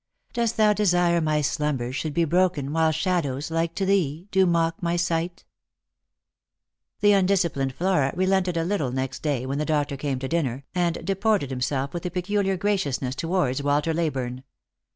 Dost thou desire my slumbers should be broken, While shadows, like to thee, do mock my sight f " The undisciplined Flora relented a little next day when the doctor came to dinner, and deported himself with a peculiar graciousness towards "Walter Leyburne.